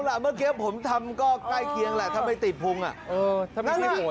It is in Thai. ล่ะเมื่อกี้ผมทำก็ใกล้เคียงแหละถ้าไม่ติดพุง